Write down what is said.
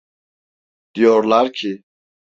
Diyorlar ki…